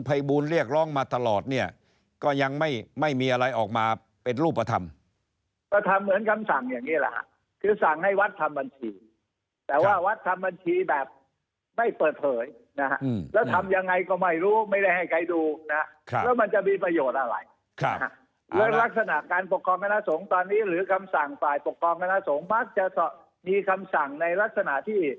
ภัยบูลเรียกร้องมาตลอดเนี่ยก็ยังไม่ไม่มีอะไรออกมาเป็นรูปธรรมก็ทำเหมือนคำสั่งอย่างนี้แหละฮะคือสั่งให้วัดทำบัญชีแต่ว่าวัดทำบัญชีแบบไม่เปิดเผยนะฮะอืมแล้วทำยังไงก็ไม่รู้ไม่ได้ให้ใครดูนะครับแล้วมันจะมีประโยชน์อะไรครับแล้วลักษณะการปกครองกรรมนาสงศ์ตอนนี้หรือกำสั่